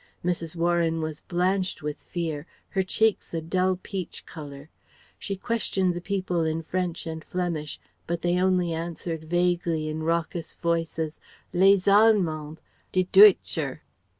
Mrs. Warren was blanched with fear, her cheeks a dull peach colour. She questioned the people in French and Flemish, but they only answered vaguely in raucous voices: "Les Allemands!" "De Duitscher."